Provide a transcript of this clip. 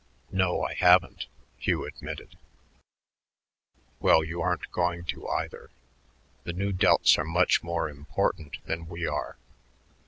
"No I haven't," Hugh admitted. "Well, you aren't going to, either. The Nu Delts are much more important than we are.